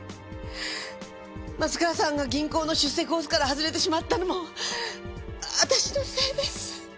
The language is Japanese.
松川さんが銀行の出世コースから外れてしまったのも私のせいです。